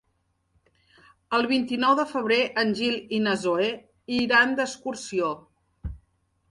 El vint-i-nou de febrer en Gil i na Zoè iran d'excursió.